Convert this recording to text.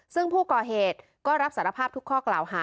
ซึ่งผู้ก่อเหตุก็รับสารภาพทุกข้อกล่าวหา